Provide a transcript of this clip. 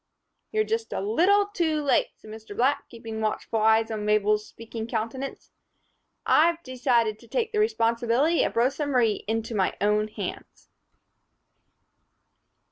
"You're just a little too late," said Mr. Black, keeping watchful eyes on Mabel's speaking countenance. "I've decided to take the responsibility of Rosa Marie into my own hands."